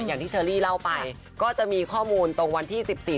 อย่างที่เชอรี่เล่าไปก็จะมีข้อมูลตรงวันที่๑๔